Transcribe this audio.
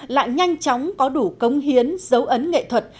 lại nhanh chóng có đủ cống hiến dấu ấn nghệ thuật